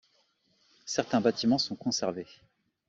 Certains bâtiments sont conservés.